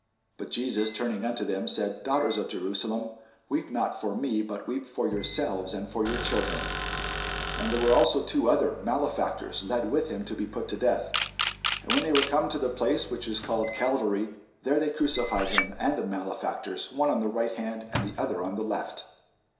But Jesus turning unto them said, Daughters of Jerusalem, weep not for me, but weep for yourselves, and for your children. And there were also two other, malefactors, led with him to be put to death. And when they were come to the place, which is called Calvary, there they crucified him, and the malefactors, one on the right hand, and the other on the left.